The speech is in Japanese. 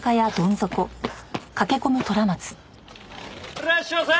いらっしゃいませ！